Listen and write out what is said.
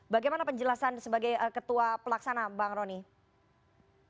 bagaimana penjelasan sebagai ketua pelaksana bang roni